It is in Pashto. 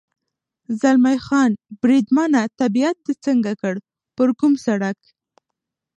زلمی خان: بریدمنه، طبیعت دې څنګه دی؟ پر کوم سړک.